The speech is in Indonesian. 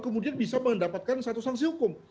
kemudian bisa mendapatkan satu sanksi hukum